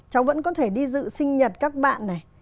cháu vẫn có thể đi dự sinh nhật các bạn này